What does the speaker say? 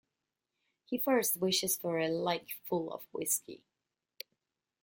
He first wishes for a lake full of whisky.